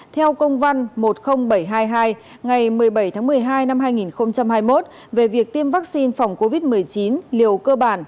theo công văn một mươi nghìn bảy trăm hai mươi hai ngày một mươi bảy tháng một mươi hai năm hai nghìn hai mươi một về việc tiêm vaccine phòng covid một mươi chín liều cơ bản